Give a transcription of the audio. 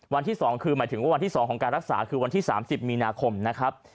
วันที่๒คือหมายถึงว่าวันที่๒ของการรักษาคือวันที่๓๐มีนาคมนะครับ